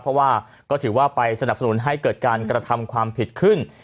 เพราะว่าก็ถือว่าไปสนับสนุนให้เกิดการกระทำความผิดขึ้น